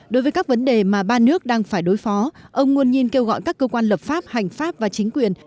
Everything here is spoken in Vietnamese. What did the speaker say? đối với các vấn đề mà ba nước đang phải đối phó ông nguồn nhìn kêu gọi các cơ quan lập pháp hành pháp và chính quyền